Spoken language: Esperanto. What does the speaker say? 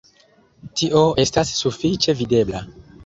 Tio estas sufiĉe videbla.